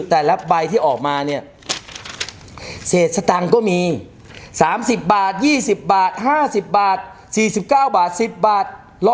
แต่ละใบที่ออกมาเนี่ยเศษสตังค์ก็มี๓๐บาท๒๐บาท๕๐บาท๔๙บาท๑๐บาท